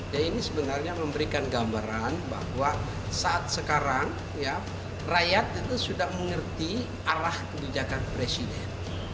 ya ini sebenarnya memberikan gambaran bahwa saat sekarang rakyat itu sudah mengerti arah kebijakan presiden